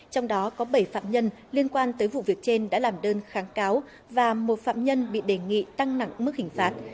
trong đó có bảy phạm nhân liên quan tới vụ việc trên đã làm đơn kháng cáo và một phạm nhân bị đề nghị tăng nặng mức hình phạt